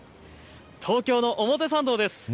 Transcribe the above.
東京の表参道です。